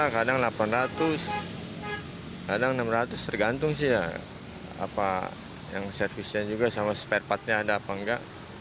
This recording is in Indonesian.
kadang delapan ratus kadang enam ratus tergantung sih ya apa yang servisnya juga sama spare partnya ada apa enggak